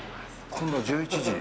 今度１１時？